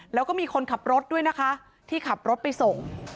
แล้วก็มีคนขับรถด้วยนะคะที่ขับรถไปส่ง